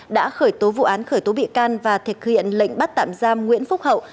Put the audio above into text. đã khởi tố vụ án khởi tố bị can và thực hiện lệnh bắt tạm giam nguyễn phúc hậu